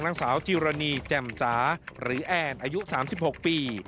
นางสาวจีรณีแจ่มจ๋าหรือแอนอายุ๓๖ปี